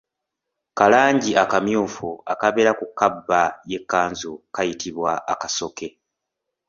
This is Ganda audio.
Kalangi akamyufu akabeera ku kabba y’ekkanzu kayitibwa Akasoke.